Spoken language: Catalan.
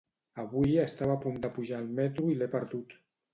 Avui estava a punt de pujar al metro i l'he perdut.